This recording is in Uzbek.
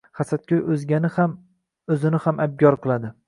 Hasadgo’y o’zgani ham, o’zini ham abgor qiladi.